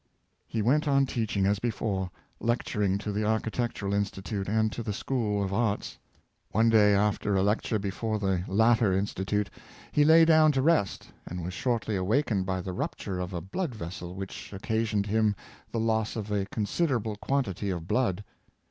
He went on teaching as before — lecturing to the Ar chitectural Institute and to the School of Arts. One day, after a lecture before the latter institute, he lay down to rest, and was shortly awakened by the rupture of a blood vessel, which occasioned him the loss of a considerable quantity of blood.